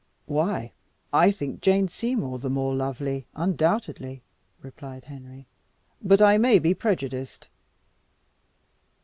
"Why, I think Jane Seymour the more lovely, Undoubtedly," replied Henry. "But I may be prejudiced."